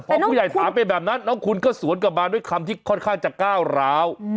พอผู้ใหญ่ถามไปแบบนั้นน้องคุณก็สวนกลับมาด้วยคำที่ค่อนข้างจะก้าวร้าว